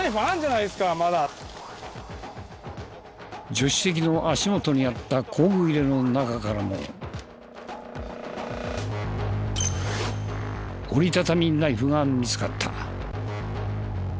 助手席の足元にあった工具入れの中からも。が見つかった。